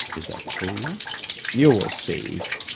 "Is that true?" "You will see."